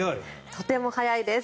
とても速いです。